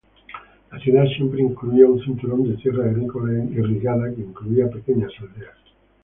La ciudad siempre incluía un cinturón de tierra agrícola irrigada que incluía pequeñas aldeas.